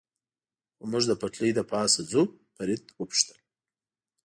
خو موږ د پټلۍ له پاسه ځو، فرید و پوښتل.